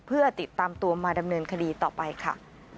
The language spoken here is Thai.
เพื่อติดตามตัวมาดำเนินคดีต่อไปค่ะ